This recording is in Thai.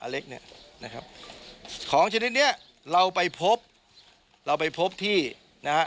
เล็กเนี่ยนะครับของชนิดเนี้ยเราไปพบเราไปพบที่นะฮะ